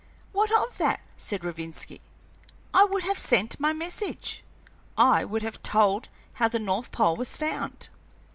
"What of that?" said Rovinski. "I would have sent my message; I would have told how the north pole was found.